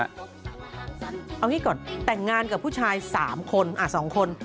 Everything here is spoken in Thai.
เอางี้ก่อนแต่งงานกับผู้ชาย๓คน๒คน